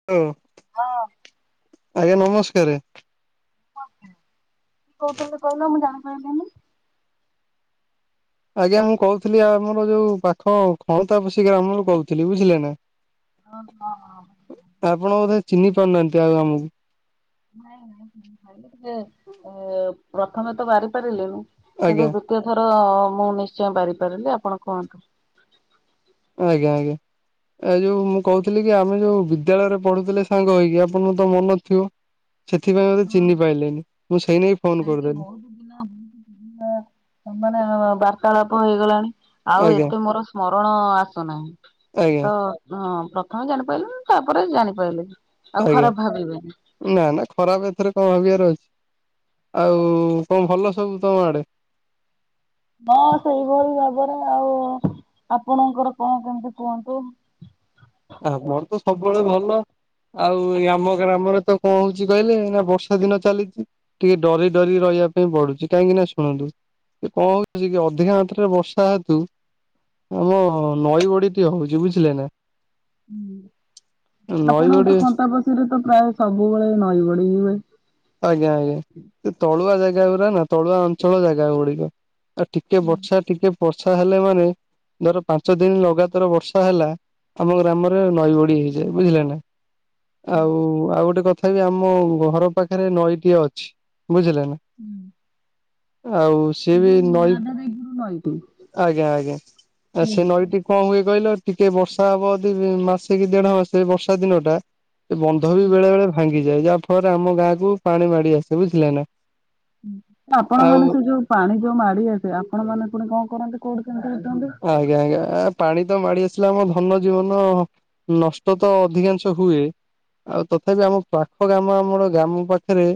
[unintelligible] ହଁ। ଆଜ୍ଞା ନମସ୍କାର। କୋଉଥିଲେ କୋଉନ ମୁଁ ଜାଣିପାଇଲିନି? ଆଜ୍ଞା, ମୁଁ କହୁଥିଲି ଆ ଆମର ଯୋଉ ପାଖ ଖଳୀତାପସି ଗ୍ରାମରୁ କହୁଥିଲି ବୁଝିଲେ ନା। ଓ ହଁ। ଆପଣ ବୋଧେ ଚିହ୍ନି ପାରୁନାହାନ୍ତି ଆଉ ଆମକୁ? ନାଇଁ ହଁ ଟିକେ ପ୍ରଥମେ ତ ବାରି ପାରିଲେଣିି ଆଜ୍ଞା କିନ୍ତୁ। ତୃତୀୟଥର ମୁଁ ନିଶ୍ଚୟ ବାରିପାରିଲି ଆପଣ କୁହନ୍ତୁ। ଆଜ୍ଞା ଆଜ୍ଞା। ଏଇ ଯୋଉ ମୁଁ କହୁଥିଲି କି ଆମେ ଯୋଉ ବିଦ୍ୟାଳୟରେ ପଢୁଥିଲେ ସାଙ୍ଗ ହେଇକି ଆପଣଙ୍କ ତ ମନ ଥିବ? ସେଥିପାଇଁ ମତେ ଚିନି ପାଇଲେନି। ମୁଁ ସେଇ ନାଗି ଯାଇକି ବହୁତ ଦିନ ମାନେ ବାର୍ତ୍ତାଳାପ ହେଇଗଲାଣି। ଆଉ ଆଜ୍ଞା ଏତେ ମୋର ସ୍ମରଣ ଆସୁନାହିଁ। ଆଜ୍ଞା ତ ହଁ ପ୍ରଥମେ ଜାଣିପାରିଲୁନ ତାପରେ ଜାଣିପାରଲି ଆଉ ଆଜ୍ଞା। ଖରାପ ଭାବିବେନି। ନା ନାଇ ଖରାପ ଏଥରେ କଣ ଭାବିବାର ଅଛି? ଆଉ କଣ ଭଲ ସବୁ ତମ ଆଡେ? ହଁ, ସେଇଭଳି ଭାବରେ ଆଉ ଆପଣଙ୍କର କଣ କେମିତି କୁହନ୍ତୁ? ଆମର ତ ସବୁବେଳେ ଭଲ। ଆଉ ଏଇ ଆମ ଗ୍ରାମରେ ତ କଣ ହଉଛି କହିଲେ ନା ବର୍ଷା ଦିନ ଚାଲିଛି ଟିକେ ଡରି ଡରି ରହିବା ପାଇଁ ପଡୁଛି କାହିଁକି ନା ଶୁଣନ୍ତୁ ସେ କଣ ହଉଛି କି ଅଧିକା ମାତ୍ରରେ ବର୍ଷା ହେତୁ ଆମ ନଈ ବଡିଟି ହଉଛି ବୁଝିଲେ ନା। ନଈ ଆପଣଙ୍କ ବଡି ତ କଣ୍ଟାପସି ରେ ତ ପ୍ରାୟ ସବୁବେଳେ ନଈ ବଡିହୁଏ। ଆଜ୍ଞା ଆଜ୍ଞା ସେ ତଳୁଆ ଜାଗା ଗୁୁରା ନା ତଳୁଆ ଅଞ୍ଚଳ ଜାଗା ଗୁଡିକ। ଆ ଟିକେ ବର୍ଷା ଟିକେ ବର୍ଷା ହେଲେ ମାନେ ଧର ପାଞ୍ଚ ଦିନ ଲଗାତାର ବର୍ଷା ହେଲା ଆମ ଗ୍ରାମରେ ନଈ ବଡି ହେଇଯାଏ ବୁଝିଲେ ନା। ଆଉ ଆଉ ଗୋଟେ କଥା ବି ଆମ ଘର ପାଖରେ ନଈଟିଏ ଅଛି ବୁଝିଲେ ନା। ହୁଁ। ଆଉ। ସିଏ ବି ନଈ [unintelligible] ଆଜ୍ଞା ଆଜ୍ଞା ଆ ହୁଁ। ସେ ନ ସେଠି କଣ ହୁଏ କହିଲ ଟିକେ ବର୍ଷା ହବ ଯଦିମାସେ କି ଦେଢ ମାସେ ବର୍ଷା ଦିନ ଟା ସେ ବନ୍ଧ ବି ବେଳେ ବେଳେ ଭାଙ୍ଗିଯାଏ ଯାହା ଫଳରେ ଆମ ଗାଁକୁ ପାଣି ମାଡି ଆସେ ବୁଝିଲେ ନା। ଆପଣ ଆଉ ମାନେ ସେ ଯୋଉ ପାଣି ଯୋଉ ମାଡି ଆସେ ଆପଣ ମାନେ ପୁଣି କଣ କରନ୍ତି କୋଉଠି କେମିତି [unintelligible] ଆଜ୍ଞା ଆଜ୍ଞା ପାଣି ତ ମାଡି ଆସିଲା ଆମ ଧନ ଜୀବନ ନଷ୍ଟ ତ ଅଧିକାଂଶ ହୁଏ। ଆଉ ତଥାପି ଆମ ପାଖ ଗାମ ଆମର ଗ୍ରାମ ପାଖରେ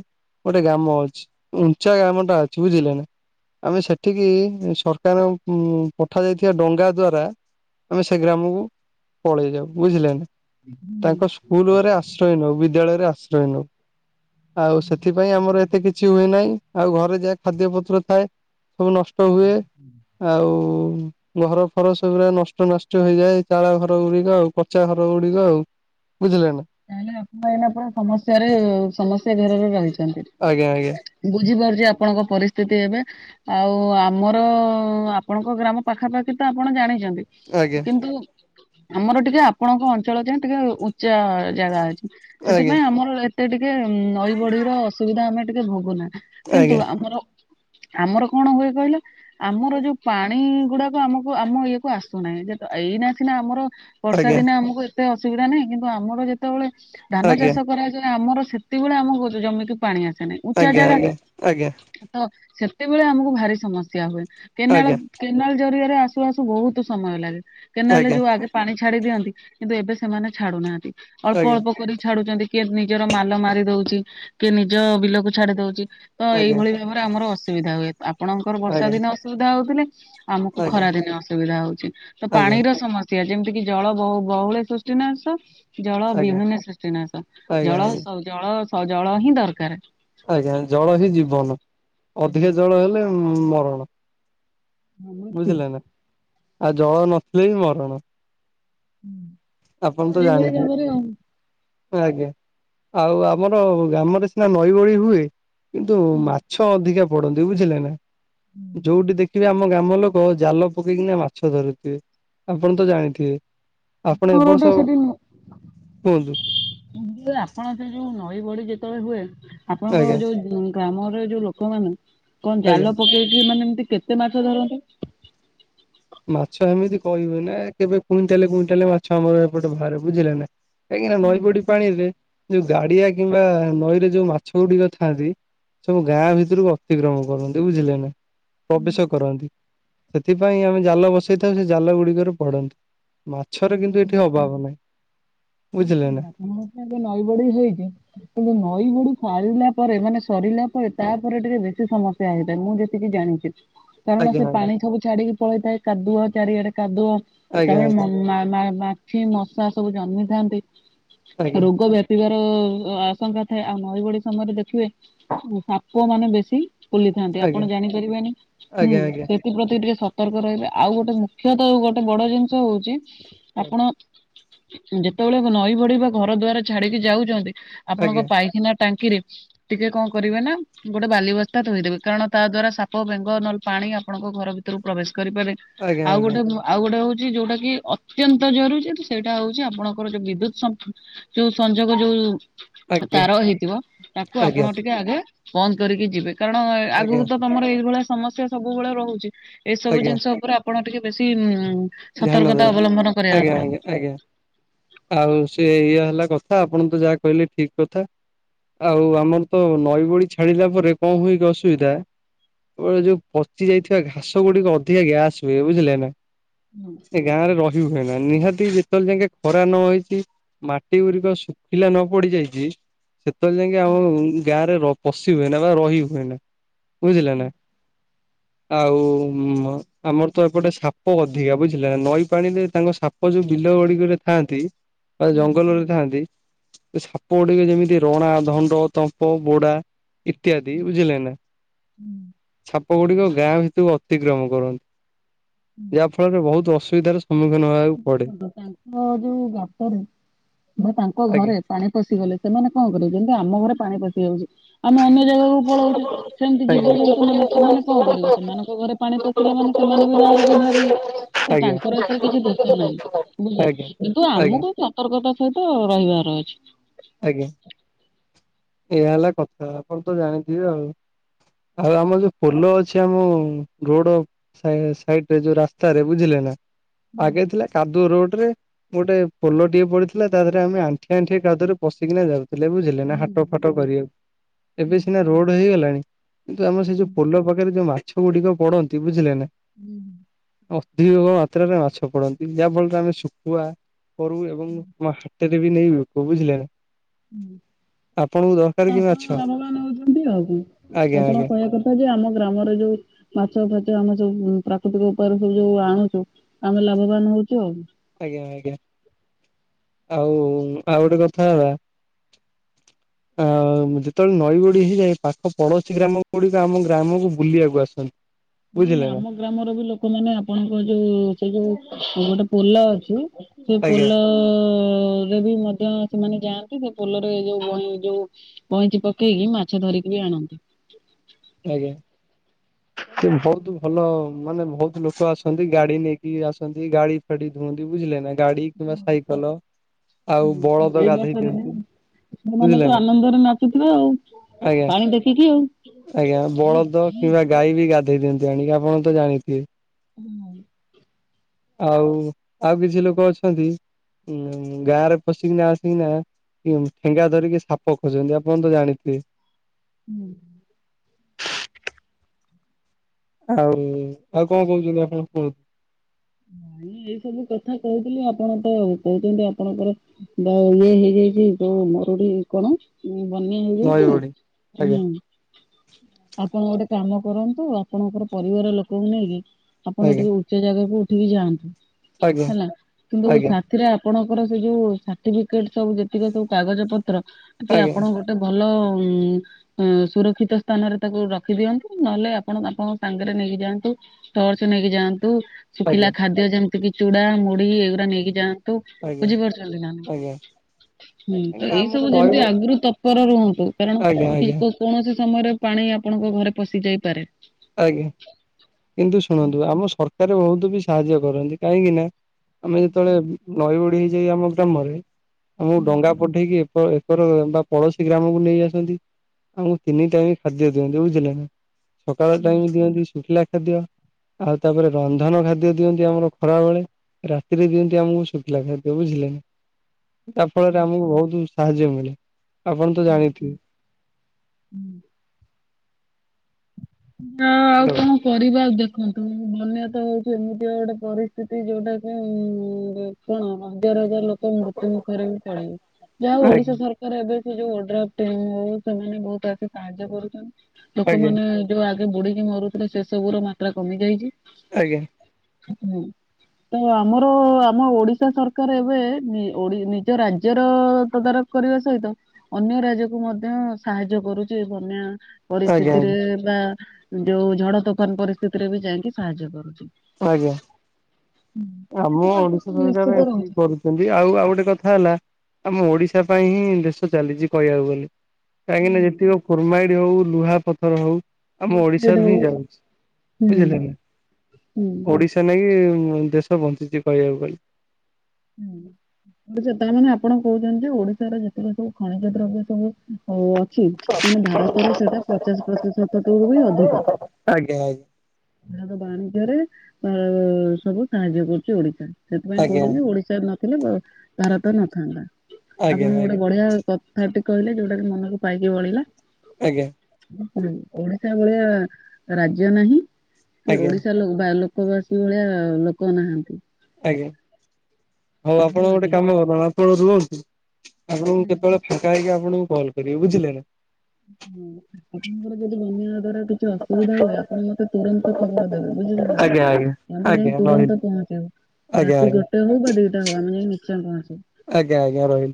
ଗୋଟେ ଗ୍ରାମ ଅଛି ଉଞ୍ଚା ଗ୍ରାମ ଟା ଅଛି ବୁଝିଲେ ନା। ଆମେ ସେଠିକି ସର୍କାର୍ ଉ ପଠାଯାଇଥିବା ଡଙ୍ଗା ଦ୍ଵାରା ଆମେ ସେ ଗ୍ରାମକୁ ପଳେଇ ଯାଉ ବୁଝିଲେ ନା। ହୁଁ ତାଙ୍କ ସ୍କୁଲଘରେ ଆଶ୍ରୟ ନଉ ବିଦ୍ୟାଳୟରେ ଆଶ୍ରୟ ନଉ। ଆଉ ସେଥିପାଇଁ ଆମର ଏତେ କିଛି ହୁଏ ନାହିଁ ଆଉ ଘରେ ଯାଏ ଖାଦ୍ୟ ପତ୍ର ଥାଏ। ସବୁ ନଷ୍ଟ ହୁଏ ଆଉ ଘର ଫର ସବୁୁରା ନଷ୍ଟ ନଷ୍ଟ ହେଇଯାଏ ଚାଳ ଘର ଗୁଡିକ ଆଉ ପଚା ଘର ଗୁଡିକ ଆଉ। ବୁଝିଲେ ନା। ତାହେଲେ ଆପଣ ଏନା ପୁରା ସମସ୍ୟାରେ ସମସ୍ୟା ଘେରରେ ରହିଛନ୍ତି। ଆଜ୍ଞା ଆଜ୍ଞା। ବୁଝିପାରୁଛି ଆପଣଙ୍କ ପରିସ୍ଥିତି ଏବେ। ଆଉ ଆମର ଆପଣଙ୍କ ଗ୍ରାମ ପାଖାପାଖି ତ ଆପଣ ଜାଣିଛନ୍ତି। ଆଜ୍ଞା କିନ୍ତୁ ଆମର ଟିକେ ଆପଣଙ୍କ ଅଞ୍ଚଳ ଯା ଟିକେ ଉଚ୍ଚା ଜାଗା ଅଛି। ଆଜ୍ଞା ସେଥିପାଇଁ ଆମର ଏତେ ଟିକେ ନଈ ବଢି ର ଅସୁବିଧା ଆମେ ଟିକେ ଭୋଗୁନା। କିନ୍ତୁ ଆଜ୍ଞା ଆମର ଆମର କଣ ହୁଏ କହିଲ ଆମର ଯୋଉ ପାଣି ଗୁଡାକ ଆମକୁ ଆମ ଇଏକୁ ଆସୁନାହିଁ ଯେ ଏଇନା ସିନା ଆମର ବର୍ଷା ଆଜ୍ଞା ଦିନ ଆମକୁ ଏ ଏତେ ଅସୁବିଧା ନାହିଁ କିନ୍ତୁ ଆମର ଯେତେବେଳେ ଧାନ ଆଜ୍ଞା ଚାଷ କରାଯାଏ ଆମର ସେ ସେତିକିବେଳେ ଆମ ବହୁତ୍ ଜମିିକି ପାଣି ଆସେ ନାହିଁ ଉଚ୍ଚା ଜାଗା। ଆଜ୍ଞା ଆଜ୍ଞା ତ ସେତେବେଳେ ଆମକୁ ଭାରି ସମସ୍ୟା ହୁଏ। କେନାଳ ଆଜ୍ଞା ଆଜ୍ଞା କେନାଲ୍ ଜରିଆରେ ଆସୁ ଆସୁ ବହୁତ୍ ସମୟ ଲାଗେ ଆଜ୍ଞା ଆଜ୍ଞା କେନାଲ୍ରେ ଆଜ୍ଞା ଆଜ୍ଞା ଆଜ୍ଞା ଆଜ୍ଞା ଯୋଉ ଆଗେ ପାଣି ଛାଡି ଦିଅନ୍ତି କିନ୍ତୁ ଏବେ ସେମାନେ ଛାଡୁନାହାନ୍ତି ଅଳ୍ପ ଅଳ୍ପ କରି ଛାଡୁଚନ୍ତି। କିଏ ନିଜର ମାଲ ମାରି ଦଉଚି କିଏ ନିଜ ବିଲକୁ ଛାଡି ଦଉଚି ତ ଏଇଭଳି ଭା ବରେ ଆମର ଅସୁବିଧା ହୁଏ ଆପଣଙ୍କର ବର୍ଷା ଦିନ ଅସୁବିଧା ହଉଥିଲେ ଆମକୁ ଖରାଦିନେ ଅସୁବିଧା ହଉଚି ତ ଆଜ୍ଞା ପାଣିର ସମ ସ୍ୟା ଯେମିତି କି ଜଳ ବହୁ ବହୁଳ ସୃଷ୍ଟିନାସ ଜଳ ବିହନେ ସୃଷ୍ଟିନାଶ ଆଜ୍ଞା ଆଜ୍ଞା ଜଳସ ଜଳସ ଜଳ ହିଁ ଦର୍କାର୍। ଆଜ୍ଞା ଜଳ ହିଁ ଜୀବନ ଆଜ୍ଞା ଅଧିକା ଜଳ ହେଲେ ମରଣ। ବୁଝିଲେ ନା ଆଉ ଜଳ ନଥିଲେ ବି ମରଣ। ହୁଁ। ଆପଣ ତ ଜାଣିଥିବେ। ଆଜ୍ଞା ଆଉ ଆମର ଗ୍ରାମରେ ସିନା ନଈବଳି ହୁଏ କିନ୍ତୁ ମାଛ ଅଧିକା ପଡନ୍ତି ବୁଝିଲେ ନା ଯୋଉଟି ଦେ ଖିବେ ଆମ ଗ୍ରାମ ଲୋକ ଜାଲ ପକେଇକିନା ମାଛ ଧରୁଥିବେ ଆପଣ ତ ଜାଣିଥିବେ [unintelligible] [inaudible] ଏ ଆପଣ ବର୍ଷ ସେ ଯୋଉ କୁହନ୍ତୁ ନଈ ବଡି ଯେତେବେଳେ ହୁଏ ଆପଣଙ୍କ ଆଜ୍ଞା ଯୋଉ ଗ୍ରାମରେ ଯୋଉ ଲୋକମାନ କଣ ଆଜ୍ଞା। ଜାଲ ପକେଇଛିି ମାନେ ଏମତି କେତେ ମାଛଧରନ୍ତି ମାଛ ଏମିତି କହିବେ ନା କେବେ କୁଇଣ୍ଟାଲେ କୁଇଣ୍ଟାଲେ ମାଛ ଆମର ଏପଟେ ବାହାରେ ବୁଝିଲେ ନା କାହିଁକିନା ନା ନଈ ପଡି ପାଣିରେ ଯୋଉ ଗାଡିଆ କିମ୍ବା ନଈରେ ଯୋଉ ମାଛ ଗୁଡିକ ଥାଆନ୍ତି ସବୁ ଗାଁ ଭିତରକୁ ଅତିକ୍ରମ କରନ୍ତି ବୁଝିଲେ ନା ପ୍ରବେଶ କରନ୍ତି ସେଥିପାଇଁ ଆମେ ଜାଲ ବସେଇଥାଉ ସେ ଜାଲ ଗୁଡିକରେ ପଡନ୍ତି। ମାଛର କିନ୍ତୁ ଏଠି ଅଭାବ ନାହିଁ। ବୁଝିଲେ ନା ନଈବଢ଼ି ହେଇଚି କିନ୍ତୁ ନଈ ବଡି ଛାଡିଲା ପରେ ମାନେ ସରିଲା ପରେ ତାପରେ ଟିକେ ବେଶୀ ସମସ୍ୟା ହେଇଥାଏ ମୁଁ ଯେତିକି ଜାଣିଚି। [inaudible] କାରଣ ସେ ଆଜ୍ଞା ପାଣି ସବୁ ଛାଡିକି ପଳେଇଥାଏ କାଦୁଅ ଚାରିଆଡେ କାଦୁଅ ଆଜ୍ଞା ତାପରେ ମ ମା ମା ମାଛି ମଶା ସବୁ ଜନ୍ମିଥାନ୍ତି ଆଜ୍ଞା ରୋଗ ବ୍ୟାପ୍ ପି ବାର ଆଶଙ୍କା ଥାଏ ଆଉ ନଈ ବଡି ସମୟରେ ଦେଖିବେ ସାପ ମାନେ ବେଶୀ ବୁଲିଥାନ୍ତି ଆପଣ ଆଜ୍ଞା ଜାଣିପାରିବେନି ହୁଁ ଆଜ୍ଞା ଆଜ୍ଞା ସେ ଥି ପ୍ରତି ଟିକେ ସତର୍କ ରହିବେ ଆଉ ଗୋଟେ ମୁଖ୍ୟତଃ ଯଉ ଗୋଟେ ବଡ ଜିନିଷ ହଉଛି ଆପଣ ଯେତେବେଳେ ନଈ ବଢି ବା ଘର ଦ୍ୱାର ଛାଡିକି ଯାଉଚନ୍ତି ଆପଣଙ୍କ ଆଜ୍ଞା ପାଇଖାନା ଟାଙ୍କିରେ ଟିକେ କଣ କରିବେ ନା ଗୋଟେ ବାଲି ବସ୍ତା ଥୋଇଦେବେ କାରଣ ତା ଦ୍ଵାରା ସାପ ବେଙ୍ଗ ନ ପାଣି ଆପଣଙ୍କ ଘର ଭି ତିରୁକୁ ପ୍ରବେଶ କରିପାରେ ଆଜ୍ଞା ଆଜ୍ଞା ଆଉ ଗୋଟେ ଉ ଆଉ ଗୋଟେ ହଉଚି ଯୋଉଟା କି ଅତ୍ୟନ୍ତ ଜରୁରୀ ଯୋଉଟି ସେଇଟା ହଉଚି ଆପଣ ଆମର ଯୋଉ ବିଦ୍ୟୁତ ସମ୍ପ ଯୋଉ ସଂଯୋଗ ଯୋଉ ଆଜ୍ଞା ଆଜ୍ଞା ତାର ହେଇଥିବ ତାକୁ ଆଜ୍ଞା ଆପଣ ଟିକେ ଆଗେ ବନ୍ଦ କରିକି ଯିବେ କାରଣ ଏ ଆଜ୍ଞା ଆଗକୁ ତ ତମର ଏଇଭଳିଆ ସମସ୍ୟା ସବୁବେଳେ ରହୁଚି ଏଇସବୁ ଆଜ୍ଞା ଜିନିଷ ଉପରେ ଆପଣ ଟିକେ ବେଶି ଉ ଧ୍ୟାନ ସତର୍କତା ଦେବା ଅବଲମ୍ବନ କରିବା ଆଜ୍ଞା ଦରକାର। ଆଜ୍ଞା ଆଜ୍ଞା ଆଉ ସେ ଇଏ ହେଲା କଥା ଆପଣ ତ ଯାହା କହିଲେ ଠିକ କଥା। ଆଉ ଆମର ତ ନଈ ବଢ଼ି ଛାଡିଲା ପରେ କଣ ହୁଏକି ଅସୁବିଧା ଏ ଯୋଉ ପଚି ଯାଇଥିବା ଘାସ ଗୁଡିକ ଅଧିକା ଗ୍ୟାସ ହୁଏ ବୁଝିଲେ ନା। ହୁଁ। ଏ ଗାଁ ରେ ରହି ହୁଏନା ନିହାତି ଯେତେବେଳେ ଜାଙ୍କେ ଖରା ନ ହେଇଚି ମାଟି ଗୁଡିକ ଶୁଖିଲା ନ ପଡି ଯାଇଚି ସେତେବେଳେ ଯାଇକି ଆମ ମ୍ ଗାଁ ରେ ର ପଶି ହୁଏନା ମାନେ ରହି ହୁଏନା। ବୁଝିଲେ ନା ଆଉ ମ ଆମର ତ ଏପଟେ ସାପ ସାପ ଅଧିକା ବୁଝିଲା ନା ନଈ ପାଣିରେ ତାଙ୍କ ସାପ ଯୋଉ ବିଲ ଗୁଡିକରେ ଥାଆନ୍ତି ଆ ଜଙ୍ଗଲରେ ଥାଆନ୍ତି ସାପ ଗୁଡିକ ଯେମିତି ରଣା ଧଣ୍ଡ ତମ୍ପ ବୋଡା ଇତ୍ୟାଦି ବୁଝିଲେ ନା ଛାପ ଗୁଡିକ ଗାଁ ଭିତକୁ ଅତିକ୍ରମ କରନ୍ତି। ଯାହା ଫଳରେ ବହୁତ ଅସୁବିଧାର ସ ସମ୍ମୁଖୀନ ଭା [unintelligible] ଦେଖନ୍ତୁ ତାଙ୍କ ଯୋଉ ଗାତରେ ବା ତାଙ୍କ ଆଜ୍ଞା ଘରେ ପାଣି ପଶିଗଲେ ସେମାନେ କଣ କରିବେ ଯେମତି ଆମ ଘରେ ପାଣି ପଶି ଯାଉଚି ଆମେ ଅନ୍ୟ ଜାଗାକୁ ପଳଉଚେ ସେମିତି ଆଜ୍ଞା ଜୀବଜନ୍ତୁ ମାନେ ସେମାନେ କଣ କରିବେ ସେମାନଙ୍କ ଘରେ ପାଣି ପଶିଲେ ମାନେ ସେମାନେ ବି ବାହାରକୁ ବାହାରିବେ। ତ ଆଜ୍ଞା। ତାଙ୍କର ଏଥିରେ କିଛି ଦୋଷ ନାହିଁ ବୁଝିଲେ ଆଜ୍ଞା କିନ୍ତୁ ଆଜ୍ଞା ଆମକୁ ସତର୍କତା ସହିତ ରହିବାର ଅଛି। ଆଜ୍ଞା ଏଇ ହେଲା କଥା ଆପଣ ତ ଜାଣିଥିବେ ଆଉ। ଆଉ ଆମର ଯୋଉ ପୋଲ ଅଛି ଆମ ରୋଡ ସା ସାଇଡ ରେ ଯୋଉ ରାସ୍ତତା ରେ ବୁଝିଲେ ନା ଆଗେ ଥିଲା କାଦୁଅ ରୋଡ ରେ ଗୋଟେ ପୋଲ ଟିଏ ପଡିଥିଲା ତା ଦେହରେ ଆମେ ଆଣ୍ଠିଏ ଆଣ୍ଠିଏ କାଦୁଆରେ ପିସିକିନା ଯାଉ। ଥିଲେ ବୁଝିଲେ ହୁଁ ନା ହୁଁ ହାଟ ହୁଁ। ଫାଟ କରିବାକୁ ଏବେ ସିନା ରୋଡ ହେଇଗଲାଣି। କିନ୍ତୁ ଆମର ସେଇ ଯୋଉ ପୋଲ ପାଖରେ ଯୋଉ ମାଛ ଗୁଡିକ ପଡନ୍ତି ବୁଝିଲେ ନା। ହୁଁ। ଅଧିକ ମାତ୍ରାରେ ମାଛ ପଡ଼ନ୍ତି ଯାହାଫଳରେ ଆମେ ଶୁଖୁଆ କରୁ ଏବଂ ମା ହାଟରେ ବି ନେଇିକି ବିକୁ ବୁଝିଲେ ନା। ଆପଣଙ୍କୁ ଦରକାର କି ମାଛ ଆପଣ ଲାଭବାନ ହଉଚନ୍ତି ଆଉ ଆଜ୍ଞା କଣ ଆପଣ ଆଜ୍ଞା କହିବା କ ଯେ ଆମ ଗ୍ରାମରେ ଯୋଉ ମାଛ ଫାଛ ଆମ ଯୋଉ ପ୍ରାକୃତିକ ଉପାୟରେ ସବୁ ଯୋଉ ଆଣୁଚୁ ଆମେ ଲାଭବାନ ହଉଚୁ ଆଉ। ଆଜ୍ଞା ଆଜ୍ଞା ଆଉ ଆଉ ଗୋଟେ କଥା ହେଲା [inaudible] ଆ ଯେତେବେଳେ ନଈ ବଡି ହେଇଯାଏ ପାଖ ପଡୋଶୀ ଗ୍ରାମ ଗୁଡିକ ଆମ ଗ୍ରାମକୁ ବୁଲିବାକୁ ଆସନ୍ତି। ନାଇଁ ବୁଝିଲେ ନା ଆମ ଗ୍ରାମର ବି ଲୋକମାନେ ଆପଣଙ୍କ ଯୋଉ ସେ ଯୋଉ ଗୋଟେ ପୋଲ ଅଛି ସେ ଆଜ୍ଞା ପୋଲରେ ବି ମଧ୍ୟ ସେମାନେ ଯାଆନ୍ତି ସେ ପୋଲରେ ଯୋଉ ବଇଁ ଯୋଉ ବଇଁଚି ପକେଇକି ମାଛ ଧରିକି ବି ଆଣନ୍ତି। ଆଜ୍ଞା। ସେ ବହୁତ ଭଲ ମାନେ ବହୁତ ଲୋକ ଆସନ୍ତି ଗାଡି ନେଇକି ଆସନ୍ତି ଗାଡି ଫାଡି ଧୁଅନ୍ତି ବୁଝିଲେ ନା। ଗାଡି କିମ୍ବା ସାଇକଲ ଆଉ ବଳଦ ଗାଧେଇ ଦିଅନ୍ତି। କୃଷକ ମନେ ବୁଝିଲେ ତ ନା ଆନନ୍ଦରେ ନାଚୁଥିଲା ଆଉ ଆଜ୍ଞା ପାଣି ଦେଖିକି ଆଉ। ଆଜ୍ଞା ବଳଦ କିମ୍ବା ଗାଈ ବି ଗାଧେଇ ଦିଅନ୍ତି ଆଣିକି ଆପଣ ତ ଜାଣିଥିବେ। ହୁଁ। ଆଉ, ଆଉ କିଛି ଲୋକ ଅଛନ୍ତି ଉମ୍ ଗାଁରେ ପଶିକିନା ଆସିକିନା ଠେଙ୍ଗା ଧରିକି ସାପ ଖୋଜନ୍ତି, ଆପଣ ତ ଜାଣିଥିବେ। ହୁଁ। ଆଉ, ଆଉ କଣ କହୁଛନ୍ତି ଆପଣ କୁହନ୍ତୁ? ନାଇଁ, ଏଇ ସବୁ କଥା କହୁଥିଲି, ଆପଣ ତ କହୁଛନ୍ତି ଆପଣଙ୍କର ଯୋଉ ଇଏ ହେଇଯାଇଛି, ଯୋଉ ମରୁଡି କଣ ଉମ୍ ବନ୍ୟା ନଈ ହେଇଯାଇଛି, ବଢି ଆଜ୍ଞା ହୁଁ। ଆପଣ ଗୋଟେ କାମ କରନ୍ତୁ, ଆପଣଙ୍କର ପରିବାର ଲୋକଙ୍କୁ ନେଇକି ଆପଣ ଆଜ୍ଞା ଟିକେ ଉଚ୍ଚ ଜାଗାକୁ ଉଠିକି ଯାଆନ୍ତୁ, ଆଜ୍ଞା ହେଲା। କିନ୍ତୁ ସାଥ ଆଜ୍ଞା ସାଥିରେ ଆପଣଙ୍କର ସେ ଯୋଉ ସାର୍ଟିଫିକେଟ୍ ସବୁ ଯେତିକ ସବୁ କାଗଜ ପତ୍ର, କି ଆଜ୍ଞା ଆପଣଙ୍କ ଗୋଟେ ଭଲ ଉମ୍ ଅ ସୁରକ୍ଷିତ ସ୍ଥାନରେ ତାକୁ ରଖିଦିଅନ୍ତୁ, ନହେଲେ ଆପଣ ଆପଣଙ୍କ ସାଙ୍ଗରେ ନେଇକି ଯାଆନ୍ତୁ ଟର୍ଚ୍ଚ ନେଇକି ଯାଆନ୍ତୁ, ଶୁଖିଲା ଆଜ୍ଞା ଖାଦ୍ୟ ଯେମତିକିି ଚୁଡା, ମୁଢି ଏଇଗୁରା ନେଇକି ଯାଆ ନ୍ତୁ, ଆଜ୍ଞା ବୁଝିପାରୁଛନ୍ତି ନା? ଆଜ୍ଞା ହୁଁ, ତ କାହିଁକି ନା ଏଇ ସବୁ ଆମର ନଈ ଯେମତି ଆଗରୁ ତତ୍ପର ରୁହନ୍ତୁ, କାରଣ ଆଜ୍ଞା କି ଆଜ୍ଞା କୌଣସି ସମୟରେ ପାଣି ଆପଣଙ୍କ ଘରେ ପଶି ଯାଇପାରେ। ଆଜ୍ଞା। କିନ୍ତୁ ଶୁଣନ୍ତୁ ଆମ ସରକାର ବହୁତ ବି ସାହାଯ୍ୟ କରନ୍ତି, କାହିଁକିନା ଆମେ ଯେତେବେଳେ ନଈ ବଢ଼ି ହେଇଯାଏ ଆମ ଗ୍ରାମରେ ଆମକୁ ଡଙ୍ଗା ପଠେଇକି ଏକ ଏକର ବା ପଡୋଶୀ ଗ୍ରାମକୁ ନେଇ ଆସନ୍ତି ଆମକୁ ତିନି ଟାଇମ୍ ଖାଦ୍ୟ ଦିଅନ୍ତି, ବୁଝିଲେ ନା? ସକାଳ ଟାଇମ୍ ଦିଅନ୍ତି ଶୁଖିଲା ଖାଦ୍ୟ, ଆଉ ତାପରେ ରନ୍ଧନ ଖାଦ୍ୟ ଦିଅନ୍ତି ଆମର ଖରାବେଳେ ରାତିରେ ଦିଅନ୍ତି ଆମକୁ ଶୁଖିଲା ଖାଦ୍ୟ, ବୁଝିଲେ ନା? ତା ଫଳରେ ଆମକୁ ବହୁତ ବି ସାହାଯ୍ୟ ମିଳେ, ଆପଣ ତ ଜାଣିଥିବେ। ହୁଁ। ହଁ, ଆଉ ହ୍ୟାଲୋ। କଣ ପରିବାର ଦେଖନ୍ତୁ, ବନ୍ୟା ତ ହଉଛି ଏମିତି ଗୋଟେ ପରିସ୍ଥିତି ଯୋଉଟା କି ଉମ୍ କଣ ହଜାର ହଜାର ଲୋକ ମୃତ୍ୟୁ ମୁୁଖରେ ବି ପଳେଇବେ। ଯାହା ହଉ ଆଜ୍ଞା ଓଡିଶା ସରକାର ଏବେ ସେ ଯୋଉ ଓଡ୍ରାଫ୍ଟ ଟିମ ହଉ, ସେମାନେ ବହୁତ ଆସି ସାହାଯ୍ୟ କରୁଛନ୍ତି। ଆଜ୍ଞା ଲୋକମାନେ ଯୋଉ ଆଗେ ବୁଡିକି ମରୁଥିଲେ, ସେ ସବୁର ମାତ୍ରା କମି ଯାଇଛି ଆଜ୍ଞା। ହୁଁ। ତ ଆମର ଆମ ଓଡିଶା ସରକାର ଏବେ ନି ଓଡ଼ି ନିଜ ରାଜ୍ୟର ତଦାରଖ କରିବା ସହିତ, ଅନ୍ୟ ରାଜ୍ୟକୁ ମଧ୍ୟ ସାହାଯ୍ୟ କରୁଚି ବନ୍ୟା ଆଜ୍ଞା ପରିସ୍ଥିତିରେ ଆଜ୍ଞା। ବା ଯୋଉ ଝଡ ତୋଫାନ ପରିସ୍ଥିତିରେ ବି ଯାଇଁକି ସାହାଯ୍ୟ କରୁଛି। ଆଜ୍ଞା। ଆମ ଓଡିଶା ସରକାର ଏତିକି କରୁଛି ସେମତି ଆଉ ଆଉ ଗୋଟେ କଥା ହେଲା, ଆମ ଓଡିଶା ପାଇଁ ହିଁ ଦେଶ ଚାଲିଛି କହିଆକୁ ଗଲେ। କାହିଁକିନା, ଯେତିକ କ୍ରୋମାଇଡ ହଉ, ଲୁହାପଥର ହଉ ଆମ ଓଡିଶାରୁ ହିଁ ଯାଉଛି। ବୁଝିଲେ ହୁଁ। ନା? ହୁଁ ଓଡିଶା ଶା ନାଗି ଦେଶ ବଞ୍ଚିଛି, କହିବାକୁ ଗଲେ। ବୁଝୁଚ ତାମାନେ ଆପଣ କହୁଛନ୍ତି ଯେ ଓଡିଶାର ଯେତିକି ସବୁ ଖଣିଜ ଦ୍ରବ୍ୟ ସବୁ ଅ ଅଛି, ମାନେ ଭାରତର ସେଇଟା ପଚାଶ ପ୍ରତିଶତଠୁ ବି ଅଧିକ। ଆଜ୍ଞା, ଆଜ୍ଞା। ତାର ବାଣିଜ୍ୟରେ ଅ ସବୁ ସାହାଯ୍ୟ କରୁଛି ଓଡିଶା। ସେଥିପାଇଁ ଆଜ୍ଞା। କହୁଛନ୍ତି ଓଡିଶ ଡ଼ିଶା ନଥିଲେ ଭାରତ ନଥାନ୍ତା। ଆଜ୍ଞା ଆପଣଙ୍କୁ ଆଜ୍ଞା ଗୋଟେ ବଢିଆ କଥାଟି କହିଲେ, ଯୋଉଟାକି ମନକୁ ପାଇକି ବଳିଲା। ଆଜ୍ଞା ଓ ହୁଁ। ଓଡିଶା ଭଳିଆ ରାଜ୍ୟ ନାହିଁ କି ଆଜ୍ଞା। ଓଡିଶା ଲୋକ୍ ବା ଲୋକବାସୀ ଭଳିଆ ଲୋକ ନାହାଁନ୍ତି। ଆଜ୍ଞା ହଉ ଆପଣ ଗୋଟେ ଆଜ୍ଞା କାମ କରନ୍ତୁ ଆପଣ ରୁହନ୍ତୁ, ଆପଣଙ୍କୁ କେତେବେଳେ ଫାଙ୍କା ହେଇକି ଆପଣଙ୍କୁ କଲ୍ କରିବି, ବୁଝିଲେ ନା। ହୁଁ ଆପଣଙ୍କର ଯଦି ବନେଇବା ଦ୍ଵାରା କିଛି ଅସୁବିଧା ହୁଏ, ଆପଣ ମତେ ତୁରନ୍ତ ଖବର ଦେବେ। ବୁଝିିଲେ ନାଁ ନାହିଁ। ଆଜ୍ଞା ଆଜ୍ଞା। ଆମେ ଯାଇ ଆଜ୍ଞା ରହିଲି ତୁରନ୍ତ ପହଞ୍ଚିବୁ, ଆଉ ଆଜ୍ଞା ରାତି ଆଜ୍ଞା ଗୋଟେ ହଉ ବା ଦିଟା ହଉ ଆମେ ଯାଇ ନିଶ୍ଚୟ ପହଞ୍ଚିବୁ। ଆଜ୍ଞା ଆଜ୍ଞା ରହି